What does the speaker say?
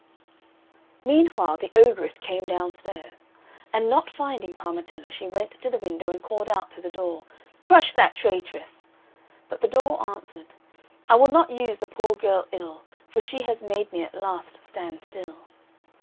Meanwhile the ogress came downstairs, and not finding Parmetella, she went to the window, and called out to the door, "Crush that traitress!" But the door answered: "I will not use the poor girl ill, For she has made me at last stand still."